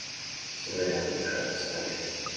Все варианты лежат на столе.